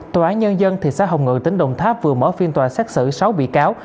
tòa án nhân dân thị xã hồng ngự tỉnh đồng tháp vừa mở phiên tòa xét xử sáu bị cáo